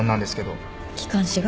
気管支が？